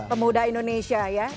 pemuda indonesia ya